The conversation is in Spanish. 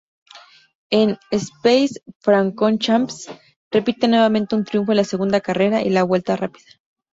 En Spa-Francorchamps repite nuevamente un triunfo en la segunda carrera y la vuelta rápida.